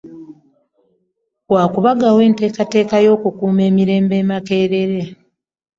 Wa kubagawo enteekateeka y'okukuuma emirembe e Makerere